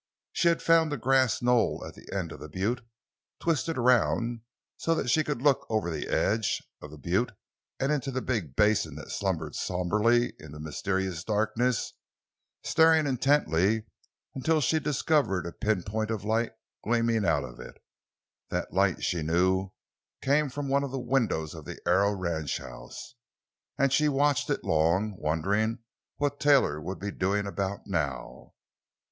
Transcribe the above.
And she found a grass knoll at the edge of the butte, twisted around so that she could look over the edge of the butte and into the big basin that slumbered somberly in the mysterious darkness, staring intently until she discovered a pin point of light gleaming out of it. That light, she knew, came from one of the windows of the Arrow ranchhouse, and she watched it long, wondering what Taylor would be doing about now.